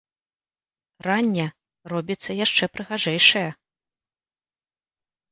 Ранне робіцца яшчэ прыгажэйшае.